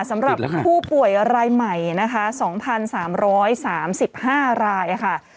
สำหรับผู้ป่วยรายใหม่นะคะสองพันสามร้อยสามสิบห้ารายอ่ะค่ะ